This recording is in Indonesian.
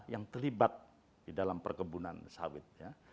yang terlibat di dalam perkebunan sawit ya